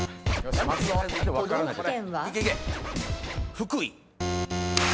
福井。